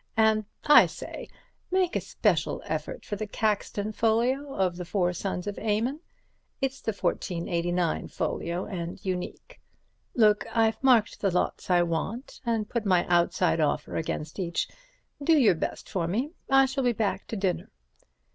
—and, I say, make a special effort for the Caxton folio of the 'Four Sons of Aymon'—it's the 1489 folio and unique. Look! I've marked the lots I want, and put my outside offer against each. Do your best for me. I shall be back to dinner."